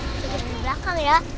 jangan lupa di belakang ya